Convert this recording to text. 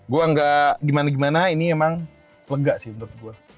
gue gak gimana gimana ini emang lega sih menurut gue